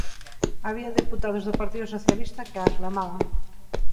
Había deputados do Partido Socialista que a aclamaban.